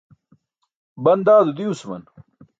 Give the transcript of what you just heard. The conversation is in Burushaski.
Ban dado diwsuman.